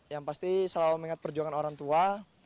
yang pasti selalu mengingat perjuangan orang tua